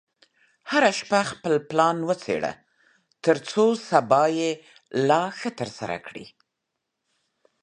هره شپه خپل پلان وڅېړه، ترڅو سبا لا ښه ترسره کړې.